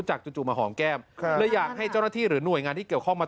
จู่มาหอมแก้มเลยอยากให้เจ้าหน้าที่หรือหน่วยงานที่เกี่ยวข้องมา